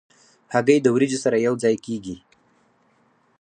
هګۍ د وریجو سره یو ځای کېږي.